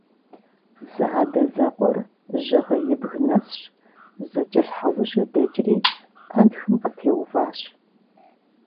Зэадэзэкъуэр Жьыгъэибг нэсщ, зэкӀэлъхьэужьу дэкӀри пэнтхым къытеуващ.